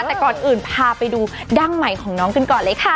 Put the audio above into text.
แต่ก่อนอื่นพาไปดูดั้งใหม่ของน้องกันก่อนเลยค่ะ